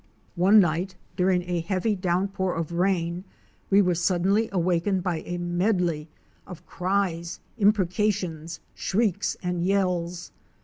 One night, during a heavy downpour of rain, we were sud denly awakened by a medley of cries, imprecations, shrieks and yells.